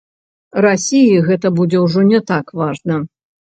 Расіі гэта будзе ўжо не так важна.